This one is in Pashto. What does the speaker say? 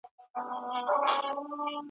سره او شنه یې وزرونه سره مشوکه`